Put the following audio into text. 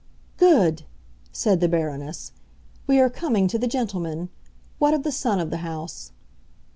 "Good!" said the Baroness. "We are coming to the gentlemen. What of the son of the house?"